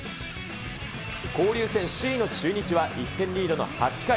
交流戦首位の中日は１点リードの８回。